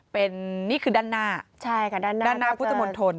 เป็นนี่คือด้านหน้าด้านหน้าพุทธมนตร์ทน